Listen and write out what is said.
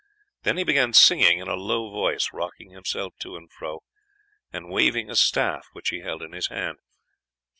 Then he began singing in a low voice, rocking himself to and fro, and waving a staff which he held in his hand.